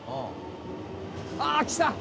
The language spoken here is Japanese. あ来た！